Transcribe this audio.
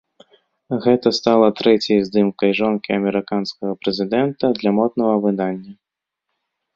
Гэта стала трэцяй здымкай жонкі амерыканскага прэзідэнта для моднага выдання.